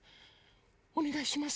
おねがいします。